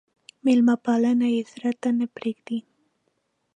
مېلمه پالنه يې زړه نه پرېږدي.